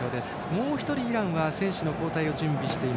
もう１人、イランは選手交代を準備。